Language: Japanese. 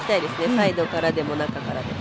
サイドからでも中からでも。